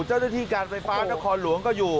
เจ้าหน้าที่การไฟฟ้านครหลวงก็อยู่